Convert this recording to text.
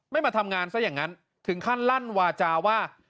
มาทำงานซะอย่างนั้นถึงขั้นลั่นวาจาว่า